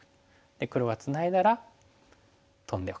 黒がツナいだらトンでおく。